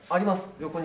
横に。